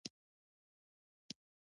چرګې مو په هرڅه کې ځانونه پوهوي.